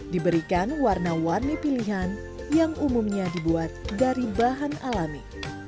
diberikan warna warni pilihan yang umumnya dibuat dari bahan alami